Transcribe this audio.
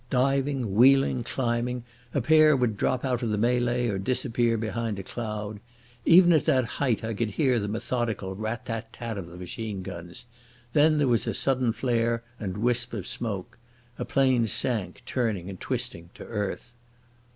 Diving, wheeling, climbing, a pair would drop out of the melee or disappear behind a cloud. Even at that height I could hear the methodical rat tat tat of the machine guns. Then there was a sudden flare and wisp of smoke. A plane sank, turning and twisting, to earth.